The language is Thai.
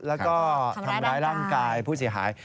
แล้วก็ทำร้ายร่างกายผู้เสียหาย